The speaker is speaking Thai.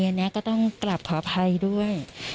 อันนี้ก็ต้องกลับขออภัยด้วย